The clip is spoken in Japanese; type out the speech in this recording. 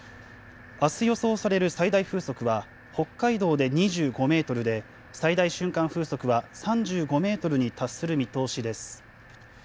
あす予想される最大風速は、北海道で２５メートルで、最大瞬間風速は３５メートルに達する見通しです。